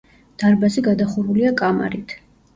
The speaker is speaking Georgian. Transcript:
დარბაზი გადახურულია კამარით.